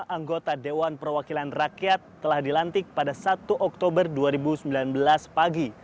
lima ratus tujuh puluh lima anggota dewan perwakilan rakyat telah dilantik pada satu oktober dua ribu sembilan belas pagi